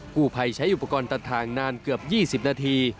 ผู้ภัยใช้อุปกรณ์ตัดทางนานเกือบ๒๐นาที